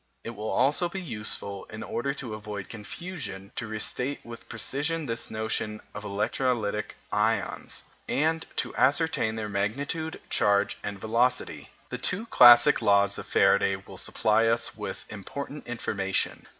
It will also be useful, in order to avoid confusion, to restate with precision this notion of electrolytic ions, and to ascertain their magnitude, charge, and velocity. The two classic laws of Faraday will supply us with important information.